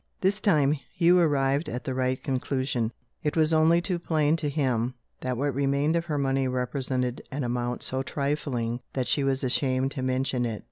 This time, Hugh arrived at the right conclusion. It was only too plain to him that what remained of her money represented an amount so trifling that she was ashamed to mention it.